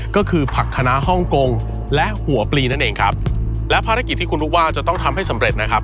ก็คือผักคณะฮ่องกงและหัวปลีนั่นเองครับและภารกิจที่คุณลูกว่าจะต้องทำให้สำเร็จนะครับ